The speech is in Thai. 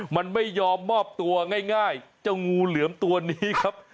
มันไม่ยอมมอบตัวง่ายเจ้างูเหลือมตัวนี้ครับ